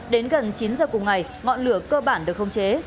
đến gần chín giờ cùng ngày ngọn lửa cơ bản được không chế